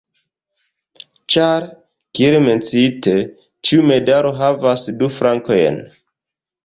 Ĉar, kiel menciite, ĉiu medalo havas du flankojn.